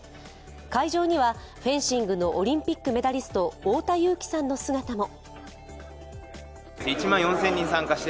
会場には、フェンシングのオリンピックメダリスト、太田雄貴さんの姿も。